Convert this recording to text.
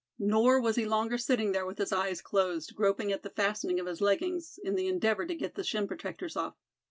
Nor was he longer sitting there with his eyes closed, groping at the fastening of his leggings in the endeavor to get the shin protectors off.